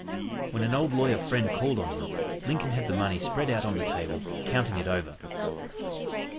When an old lawyer friend called on him, Lincoln had the money spread out on the table counting it over.